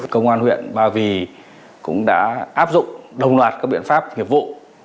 công an huyện bảo vy cũng đã áp dụng đồng loạt các biện pháp hiệp vụ